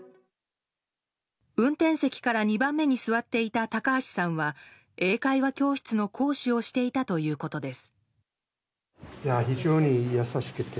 運転席から２番目に座っていた高橋さんは英会話教室の講師をしていたということです。